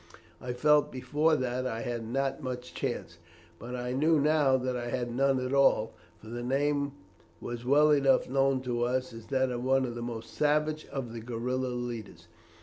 I felt before that I had not much chance, but I knew now that I had none at all, for the name was well enough known to us as that of one of the most savage of the guerilla leaders.